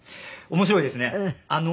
面白いですね。